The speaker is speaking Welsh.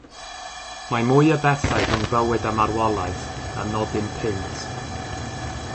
Mae mwy o bethau rhwng bywyd a marwolaeth na nodyn punt.